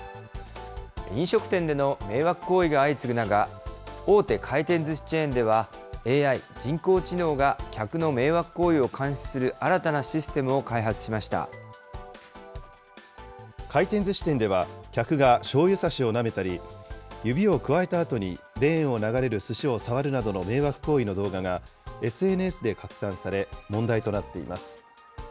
飲食店での迷惑行為が相次ぐ中、大手回転ずしチェーンでは、ＡＩ・人工知能が客の迷惑行為を監視する新たなシステムを開発し回転ずし店では、客がしょうゆさしをなめたり、指をくわえたあとにレーンを流れるすしを触るなどの迷惑行為の動画がＳＮＳで拡散され、問題となっています。